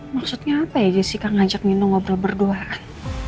maksudnya apa ya jessica ngajak minum ngobrol berduaan